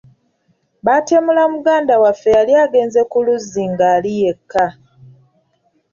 Baatemula muganda waffe yali agenze ku luzzi ng’ali yekka.